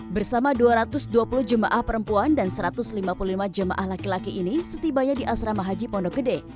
bersama dua ratus dua puluh jemaah perempuan dan satu ratus lima puluh lima jemaah laki laki ini setibanya di asrama haji pondok gede